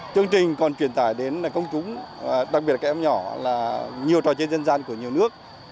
chương trình còn truyền tải đến công chúng đặc biệt là các em nhỏ là nhiều trò chơi dân gian của nhiều nước